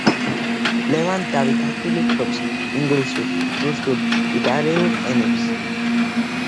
ლევან დავითაშვილი ფლობს ინგლისურ, რუსულ, იტალიურ ენებს.